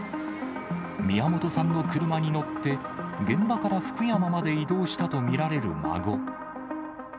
宮本さんの車に乗って、現場から福山まで移動したと見られる孫。